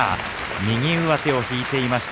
右上手を引いていました